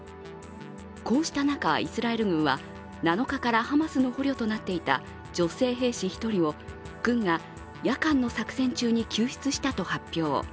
こうした中、イスラエル軍は７日からハマスの捕虜となっていた女性兵士１人を軍が夜間の作戦中に救出したと発表。